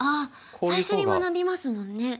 最初に学びますもんね。